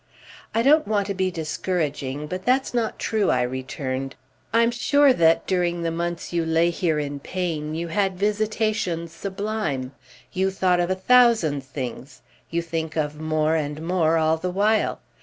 "I don't want to be discouraging, but that's not true," I returned. "I'm sure that during the months you lay here in pain you had visitations sublime. You thought of a thousand things. You think of more and more all the while.